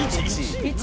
１。